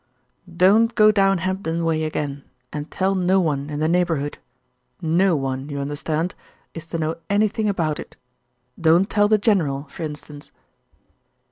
"Don't go down Hempdon way again, and tell no one in the neighbourhood; no one, you understand, is to know anything about it. Don't tell the general, for instance."